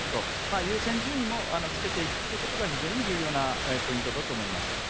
優先順位もつけていくことが非常に重要なポイントだと思います。